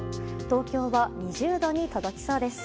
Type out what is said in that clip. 東京は２０度に届きそうです。